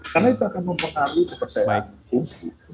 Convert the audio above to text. karena itu akan mempengaruhi kepercayaan umum